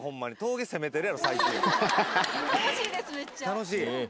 楽しい？